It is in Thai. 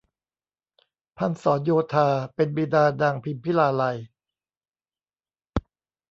พันศรโยธาเป็นบิดานางพิมพิลาไลย